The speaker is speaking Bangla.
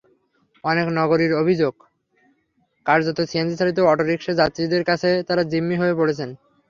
অনেক নগরবাসীর অভিযোগ, কার্যত সিএনজিচালিত অটোরিকশার যাত্রীদের কাছে তাঁরা জিম্মি হয়ে পড়েছেন।